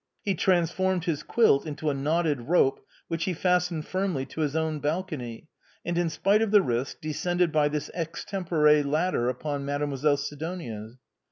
He transformed his quilt into a knotted rope, which he fastened firmly to his own balcony, and in spite of the risk, descended by this extempore ladder upon Made moiselle Sidonia's.